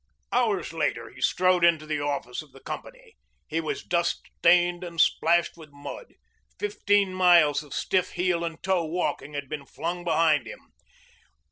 Hours later he strode into the office of the company. He was dust stained and splashed with mud. Fifteen miles of stiff heel and toe walking had been flung behind him.